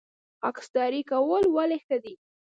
خاکساري کول ولې ښه دي؟